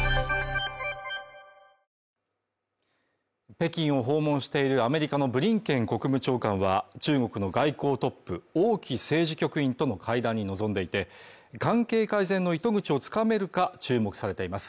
北京を訪問しているアメリカのブリンケン国務長官は、中国の外交トップ王毅政治局員との会談に臨んでいて、関係改善の糸口をつかめるか注目されています